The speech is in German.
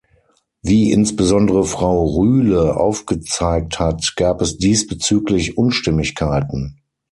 Wie insbesondere Frau Rühle aufgezeigt hat, gab es diesbezüglich Unstimmigkeiten.